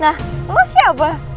nah lo siapa